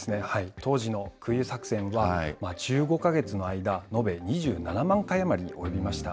当時の空輸作戦は１５か月の間、延べ２７万回余りに及びました。